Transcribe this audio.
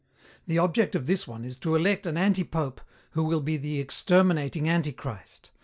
The object of this one is to elect an antipope who will be the exterminating Antichrist.